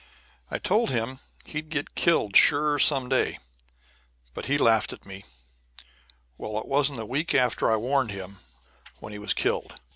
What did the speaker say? I told him he'd get killed sure some day, but he laughed at me. Well, it wasn't a week after I warned him when he was killed.